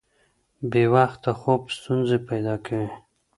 بې وخته خوب ستونزې پیدا کوي.